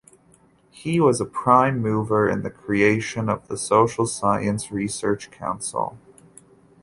He was a prime mover in the creation of the Social Science Research Council.